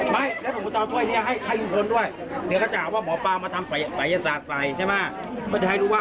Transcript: มีบรรยากาศมาทำภัยศาสตร์ไฟใช่ไหม